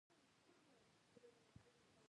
د کورونو بازار له ستونزو سره مخ دی.